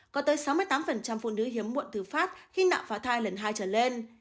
có tới sáu mươi tám phụ nữ hiếm muộn từ phát khi nạo phá thai lần hai trở lên